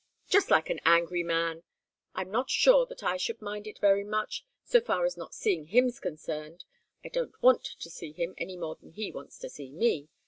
Just like an angry man! I'm not sure that I should mind it very much, so far as not seeing him's concerned. I don't want to see him, any more than he wants to see me.